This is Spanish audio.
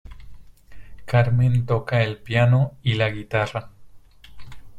Carmen toca el piano y la guitarra.